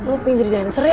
lo pengen jadi dancer ya